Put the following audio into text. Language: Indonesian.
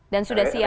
dan sudah siap ya